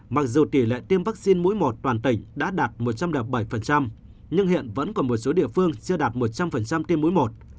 mặc dù tỷ lệ tiêm vaccine mũi mọt toàn tỉnh đã đạt một trăm linh bảy nhưng hiện vẫn còn một số địa phương chưa đạt một trăm linh tiêm mũi một